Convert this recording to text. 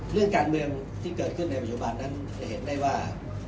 เรื่องการเมืองที่เกิดขึ้นในปัจจุบันนั้นจะเห็นได้ว่า